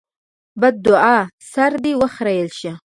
بدوعا: سر دې وخرېيل شه!